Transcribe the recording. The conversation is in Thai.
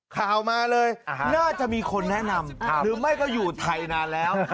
ข่าวมาเลยน่าจะมีคนแนะนำหรือไม่ก็อยู่ไทยนานแล้ว